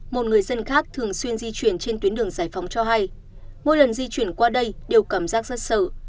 một người dân khác thường xuyên di chuyển trên tuyến đường giải phóng cho hay mỗi lần di chuyển qua đây đều cảm giác dân sự